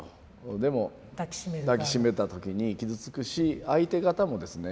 でも抱き締めた時に傷つくし相手方もですね